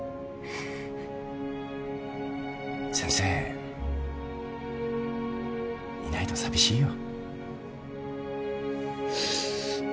先生いないと寂しいよ。